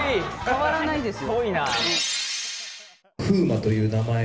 変わらないです。